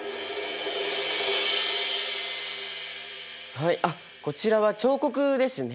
はいあっこちらは彫刻ですね。